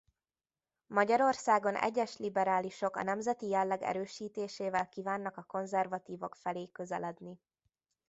Magyarországon egyes liberálisok a nemzeti jelleg erősítésével kívánnak a konzervatívok felé közeledni.